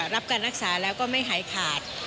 รับการรักษาแล้วก็ไม่หายขาด